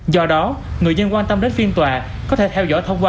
do đó người dân quan tâm đến phiên tòa có thể theo dõi thông qua